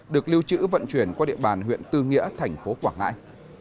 được lưu trữ vận chuyển qua địa bàn huyện tư nghĩa thành phố quảng ngãi